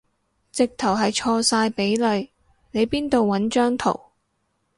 直頭係錯晒比例，你邊度搵張圖